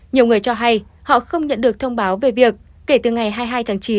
nhiều người cho hay họ không nhận được thông báo về việc kể từ ngày hai mươi hai tháng chín